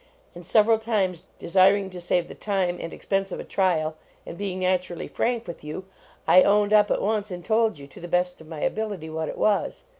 And sev eral times, desiring to save the time and . x pense of a trial, and being naturally frank with you, I owned up at once and told you, to the best of my ability, what it was.